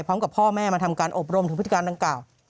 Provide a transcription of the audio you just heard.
พร้อมกับพ่อแม่มาทำการอบรมถึงพฤติการดังกล่าว